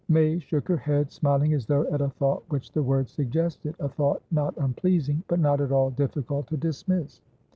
May shook her head, smiling as though at a thought which the words suggested, a thought not unpleasing, but not at all difficult to dismiss.